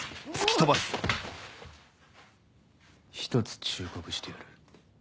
１つ忠告してやる。